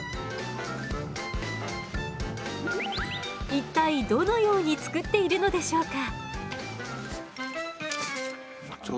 一体どのように作っているのでしょうか？